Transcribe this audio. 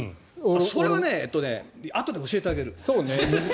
それはあとで教えてあげる。